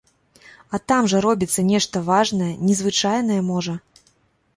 А там жа робіцца нешта важнае, незвычайнае, можа.